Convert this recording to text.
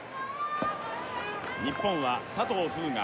日本は佐藤風雅